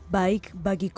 baik bagi kru